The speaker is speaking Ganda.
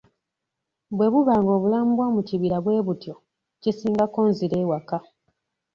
Bwe buba ng'obulamu bw'omukibira bwe butyo, kisingako nzire ewaka.